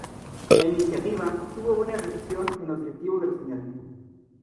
La iniciativa tuvo buena recepción en los directivos de la señal.